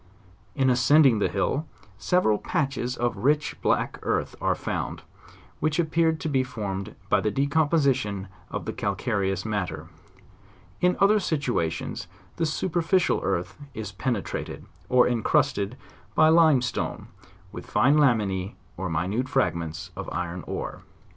In ascending the hill, several patches of rich black earth are found, which appeared to be formed by the decomposition of the calcareous matter; in other situations the superficial earth is penetrated, or encrusted, by limestone, with fine la mines, or minute fragments of iron ore.